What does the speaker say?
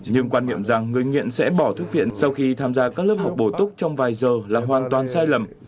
nhưng quan niệm rằng người nghiện sẽ bỏ thuốc viện sau khi tham gia các lớp học bổ túc trong vài giờ là hoàn toàn sai lầm